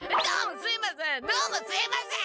どうもすいません！